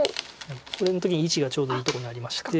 これの時に①がちょうどいいとこにありまして。